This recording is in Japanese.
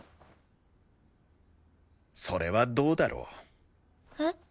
それはどうだろう。えっ？